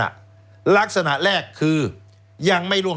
แล้วเขาก็ใช้วิธีการเหมือนกับในการ์ตูน